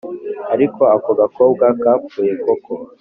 Ariko ako gakobwa kapfuye koko